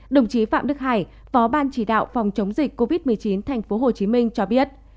đồng chí phạm đức hải phó ban chỉ đạo phòng chống dịch covid một mươi chín thành phố hồ chí minh cho biết